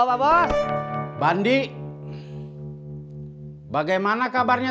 orang satu pun semp numura bisa lady